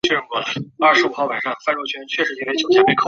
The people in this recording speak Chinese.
长鳍斑竹鲨为须鲨科斑竹鲨属的鱼类。